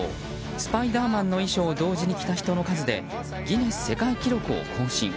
スパイダーマンの衣装を同時に着た人の数でギネス世界記録を更新。